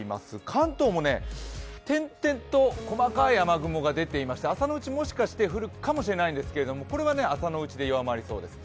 関東も点々と細かい雨雲が出ていまして朝のうち、もしかして降るかもしれないんですけれども、これは朝のうちで弱まりそうです。